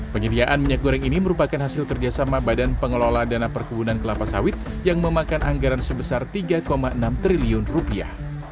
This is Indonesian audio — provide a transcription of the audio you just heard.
penyediaan minyak goreng ini merupakan hasil kerjasama badan pengelola dana perkebunan kelapa sawit yang memakan anggaran sebesar tiga enam triliun rupiah